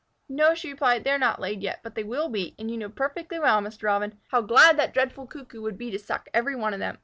"No," she replied, "they are not laid yet, but they will be, and you know perfectly well, Mr. Robin, how glad that dreadful Cuckoo would be to suck every one of them.